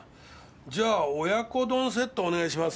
じゃあ親子丼セットお願いします。